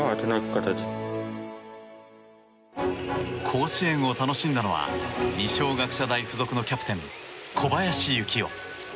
甲子園を楽しんだのは二松学舎大附属のキャプテン小林幸男。